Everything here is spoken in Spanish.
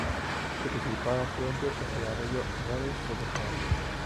Su principal afluente es el arroyo Molles del Pescado.